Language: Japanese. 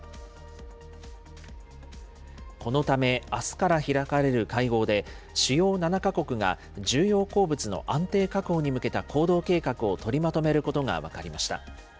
このため、あすから開かれる会合で、主要７か国が重要鉱物の安定確保に向けた行動計画を取りまとめることが分かりました。